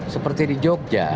seperti di jogja